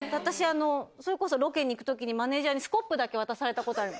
私、それこそロケに行くときに、マネージャーにスコップだけ渡されたことある。